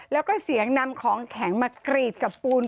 แล้วก็เสียงนำของแข็งมากรีดกับปูน